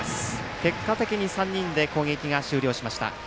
結果的に３回で攻撃が終了しました。